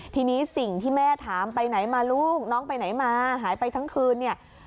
ทีนี้สิ่งที่แม่ถามไปไหนมาลูกน้องไปไหนมาหายไปทั้งคืนเนี่ย